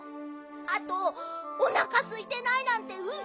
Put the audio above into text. あとおなかすいてないなんてウソ。